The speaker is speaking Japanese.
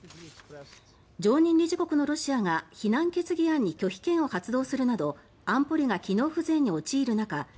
常任理事国のロシアが非難決議案に拒否権を発動するなど安保理が機能不全に陥る中